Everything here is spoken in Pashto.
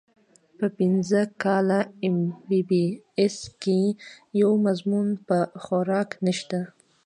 پۀ پنځه کاله اېم بي بي اېس کښې يو مضمون پۀ خوراک نشته